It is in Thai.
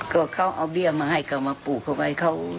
ก็เขาเอาเบี้ยมาให้เขามาปลูกเขาไว้